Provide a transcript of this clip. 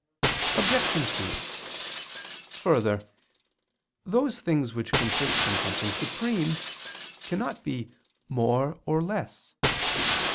Obj. 2: Further, those things which consist in something supreme cannot be "more" or "less."